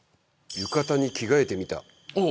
浴衣に着替えてみたおお！